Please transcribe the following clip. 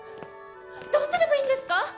どうすればいいんですか？